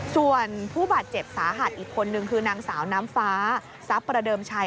ส่วนผู้บาดเจ็บสาหัสอีกคนนึงคือนางสาวน้ำฟ้าทรัพย์ประเดิมชัย